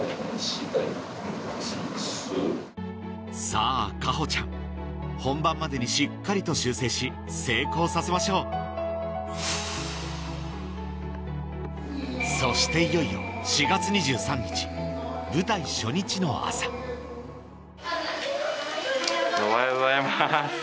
さぁ花帆ちゃん本番までにしっかりと修正し成功させましょうそしていよいよの朝おはようございます。